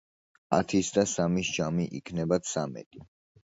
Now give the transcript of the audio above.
ათის და სამის ჯამი იქნება ცამეტი.